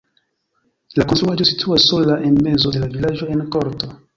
La konstruaĵo situas sola en mezo de la vilaĝo en korto.